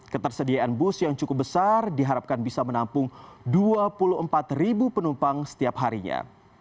ketersediaan bus yang cukup besar diharapkan bisa menampung dua puluh empat ribu penumpang setiap harinya